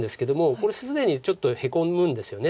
これ既にちょっとヘコむんですよね。